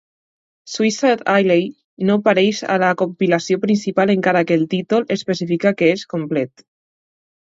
"Suicide Alley" no apareix a la compilació principal encara que el títol especifica que és "complet".